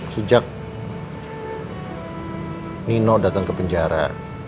sejak nino datang ke penjara